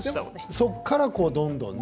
そこから、どんどんね。